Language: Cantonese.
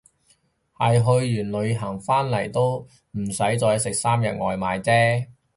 係去完旅行返嚟唔使再食三日外賣姐